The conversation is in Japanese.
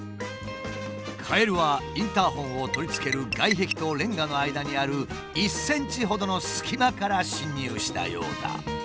カエルはインターホンを取り付ける外壁とレンガの間にある１ｃｍほどの隙間から侵入したようだ。